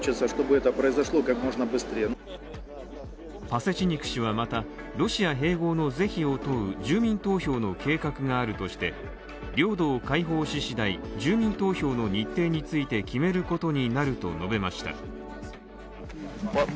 パセチニク氏は、またロシア併合の是非を問う住民投票の計画があるとして、領土を解放し次第、住民投票の日程について決めることになると述べました。